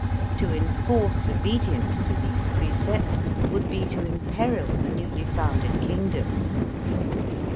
To enforce obedience to these precepts would be to imperil the newly founded kingdom.